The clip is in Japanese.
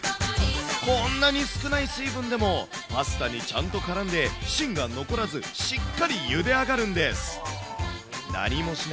こんなに少ない水分でもパスタにちゃんとからんで、芯が残らず、しっかりゆで上がるんです。